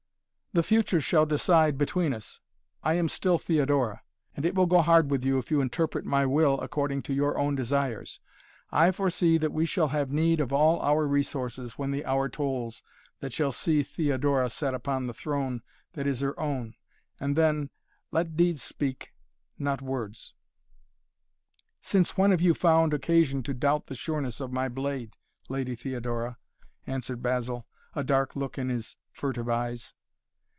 "The future shall decide between us. I am still Theodora, and it will go hard with you, if you interpret my will according to your own desires. I foresee that we shall have need of all our resources when the hour tolls that shall see Theodora set upon the throne that is her own, and then let deeds speak, not words." "Since when have you found occasion to doubt the sureness of my blade, Lady Theodora?" answered Basil, a dark look in his furtive eyes.